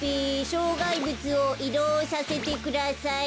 しょうがいぶつをいどうさせてください。